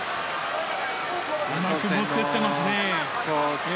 うまく持っていってますね。